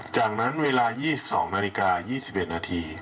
จากนั้นเวลา๒๒นาฬิกา๒๑นาที